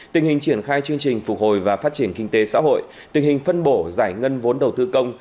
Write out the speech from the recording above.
tình hình triển khai chương trình phục hồi và phát triển kinh tế xã hội tình hình phân bổ giải ngân vốn đầu tư công